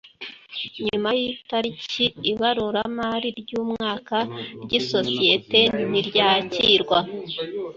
nyuma y’itariki ibaruramari ry’umwaka ry’isosiyete ntiryakirwa